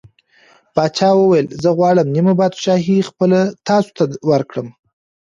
پاچا وویل: زه غواړم نیمه پادشاهي خپله تاسو ته ورکړم.